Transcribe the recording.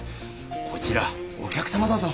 こちらお客様だぞ。